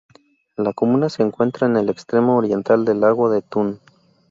La comuna se encuentra en el extremo oriental del lago de Thun.